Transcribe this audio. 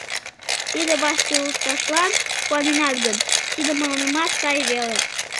Тиде вашталтышлан куаненат гын, тиде мыланемат сай веле.